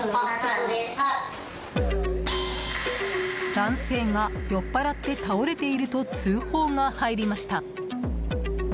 男性が酔っ払って倒れていると通報が入りました。